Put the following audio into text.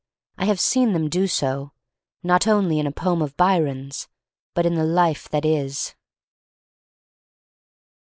I have seen them do so, not only in a poem of Byron's, but in the life that is.